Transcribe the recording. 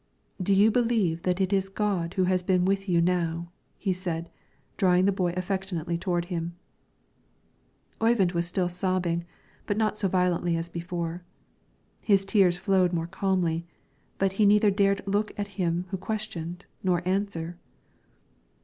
"Do you believe that it is God who has been with you now," said he, drawing the boy affectionately toward him. Oyvind was still sobbing, but not so violently as before; his tears flowed more calmly, but he neither dared look at him who questioned nor answer.